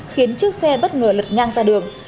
khiến chiếc xe bất ngờ lật ngang ra đường